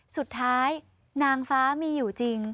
สุดท้ายนางฟ้ามีอยู่จริง